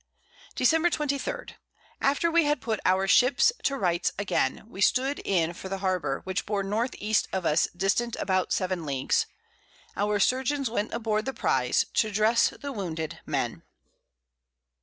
Dec. 23. After we had put our Ships to rights again, we stood in for the Harbour, which bore N.E. of us, distant about 7 Leagues. Our Surgeons went aboard the Prize to dress the wounded Men.